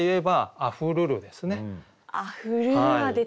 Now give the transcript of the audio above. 「あふるる」。